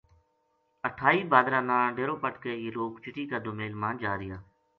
اٹھائی بھادرا نا ڈیرو پٹ کے یہ لوک چٹی کا دومیل ما جا رہیا